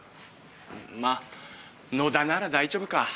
まあ野田なら大丈夫か。